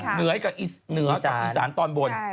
เหนือกับอีสานตอนบน